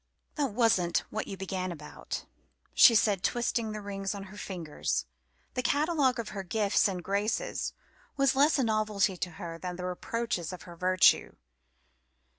"That wasn't what you began about," she said, twisting the rings on her fingers. The catalogue of her gifts and graces was less a novelty to her than the reproaches to her virtue.